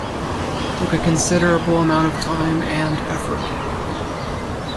It took a considerable amount of time and effort.